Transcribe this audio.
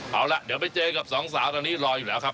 เอาล่ะเดี๋ยวไปเจอกับสองสาวตอนนี้รออยู่แล้วครับ